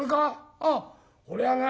ああ俺はな